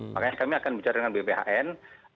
makanya kami akan bicara dengan bphn